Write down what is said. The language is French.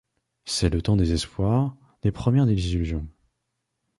C'est le temps des espoirs, des premières désillusions...